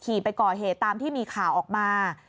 ไปก่อเหตุตามที่มีข่าวออกมา